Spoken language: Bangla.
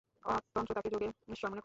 তন্ত্র তাঁকে "যোগের ঈশ্বর" মনে করে।